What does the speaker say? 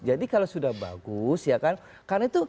jadi kalau sudah bagus ya kan karena itu